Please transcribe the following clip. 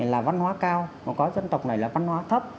là văn hóa cao mà có dân tộc này là văn hóa thấp